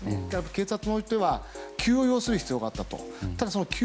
警察においては急を要する必要があって。